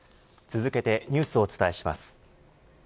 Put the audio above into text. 続けてニュースをお伝えします。